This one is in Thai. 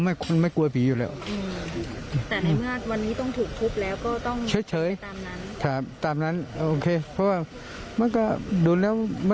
ยังสัตว์ภาในตัวท่านอยู่ไหม